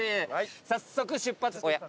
早速出発。